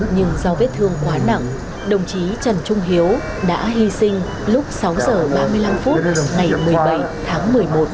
nhưng do vết thương quá nặng đồng chí trần trung hiếu đã hy sinh lúc sáu h ba mươi năm phút ngày một mươi bảy tháng một mươi một